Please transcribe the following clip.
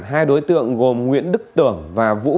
hai đối tượng gồm nguyễn đức tưởng và vũ